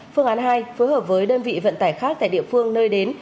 phương án hai phối hợp với đơn vị vận tải khác tại địa phương nơi đến